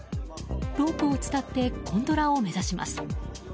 ロープをつたってゴンドラを目指します。